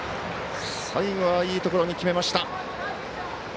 最後はいいところに決めました。